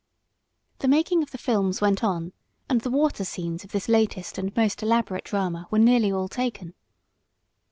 The making of the films went on, and the water scenes of this latest and most elaborate drama were nearly all taken.